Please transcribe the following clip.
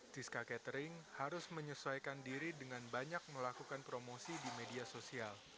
siska catering harus menyesuaikan diri dengan banyak melakukan promosi di media sosial